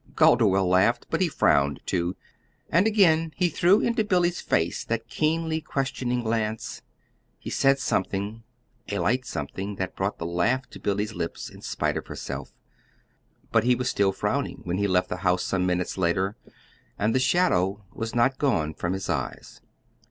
Calderwell laughed, but he frowned, too; and again he threw into Billy's face that keenly questioning glance. He said something a light something that brought the laugh to Billy's lips in spite of herself; but he was still frowning when he left the house some minutes later, and the shadow was not gone from his eyes.